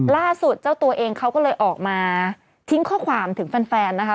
ล่าสุดเจ้าตัวเองเขาก็เลยออกมาทิ้งข้อความถึงแฟนนะคะ